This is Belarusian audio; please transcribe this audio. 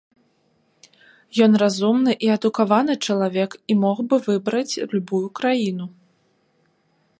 Ён разумны і адукаваны чалавек і мог бы выбраць любую краіну.